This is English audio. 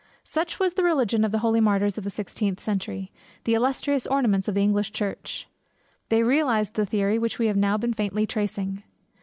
Such was the religion of the holy martyrs of the sixteenth century, the illustrious ornaments of the English church. They realized the theory which we have now been faintly tracing.